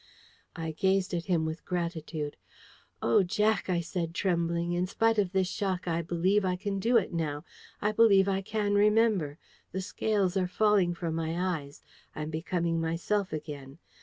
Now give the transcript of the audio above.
I gazed up at him with gratitude. "Oh, Jack," I said, trembling, "in spite of this shock, I believe I can do it now. I believe I can remember. The scales are falling from my eyes. I'm becoming myself again.